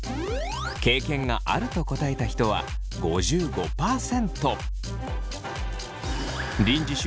経験があると答えた人は５５％。